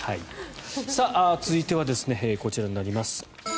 続いては、こちらになります。